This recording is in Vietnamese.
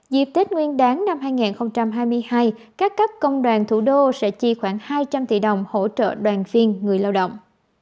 dịp tết nguyên đáng năm hai nghìn hai mươi hai các cấp công đoàn thủ đô sẽ chi khoảng hai trăm linh tỷ đồng hỗ trợ đoàn viên người lao động